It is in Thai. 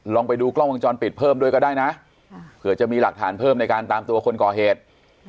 ไปดูกล้องวงจรปิดเพิ่มด้วยก็ได้นะเผื่อจะมีหลักฐานเพิ่มในการตามตัวคนก่อเหตุ